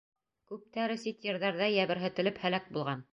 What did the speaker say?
Күптәре сит ерҙәрҙә йәберһетелеп һәләк булған.